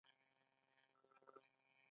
افغانستان څومره شهیدان ورکړي؟